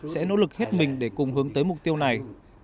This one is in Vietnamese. sẽ nỗ lực hết mình để cùng hướng tới mục tiêu này